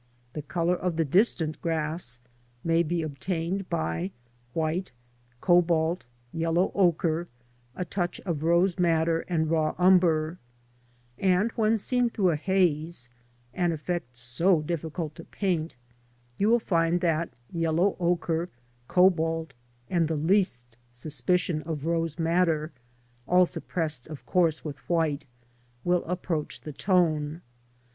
The colour of the distant grass may be obtained by white, cobalt, yellow ochre, a touch of rose madder and raw umber; and when seen through a haze (an effect so difficult to paint), you will find that yellow ochre, cobalt, and the least suspicion of rose madder (all suppressed, of course, with white) will approach the tone.